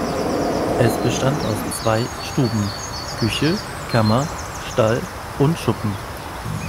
Es bestand aus zwei Stuben, Küche, Kammer, Stall und Schuppen.